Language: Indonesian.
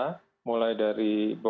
barangkali lebih dari seribu relawan